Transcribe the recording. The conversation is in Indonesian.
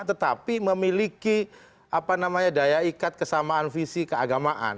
tetapi memiliki apa namanya daya ikat kesamaan visi keagamaan